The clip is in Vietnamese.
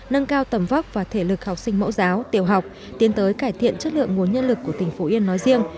nâng cao tầm vóc và thể lực học sinh mẫu giáo tiểu học tiến tới cải thiện chất lượng nguồn nhân lực của tỉnh phú yên nói riêng